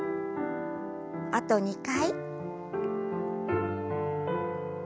あと２回。